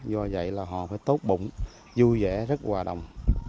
do vậy là họ phải tốt bụng vui vẻ rất hòa đồng